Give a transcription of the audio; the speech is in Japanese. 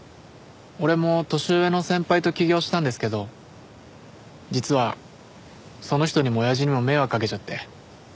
俺も年上の先輩と起業したんですけど実はその人にも親父にも迷惑かけちゃって。